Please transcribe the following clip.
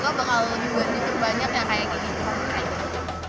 moga moga bakal dibuat lebih banyak yang kayak gitu